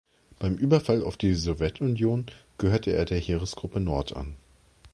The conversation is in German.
Beim Überfall auf die Sowjetunion gehörte er der Heeresgruppe Nord an.